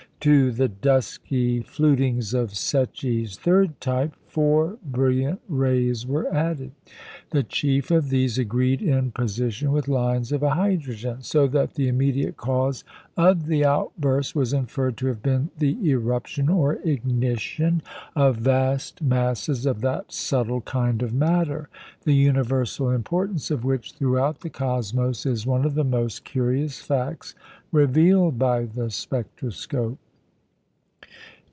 To the dusky flutings of Secchi's third type four brilliant rays were added. The chief of these agreed in position with lines of hydrogen; so that the immediate cause of the outburst was inferred to have been the eruption, or ignition, of vast masses of that subtle kind of matter, the universal importance of which throughout the cosmos is one of the most curious facts revealed by the spectroscope.